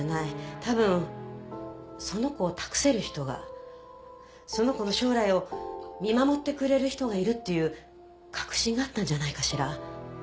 多分その子を託せる人がその子の将来を見守ってくれる人がいるっていう確信があったんじゃないかしら。